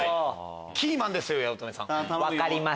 キーマンですよ八乙女さん。